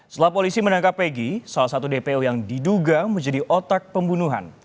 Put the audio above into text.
setelah polisi menangkap egy salah satu dpo yang diduga menjadi otak pembunuhan